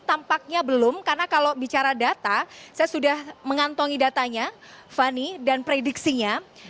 tampaknya belum karena kalau bicara data saya sudah mengantongi datanya fani dan prediksinya